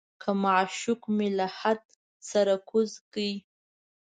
که معشوق مې لحد ته سر کوز کړي.